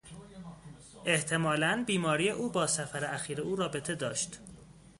احتمالا بیماری او با سفر اخیر او رابطه داشت.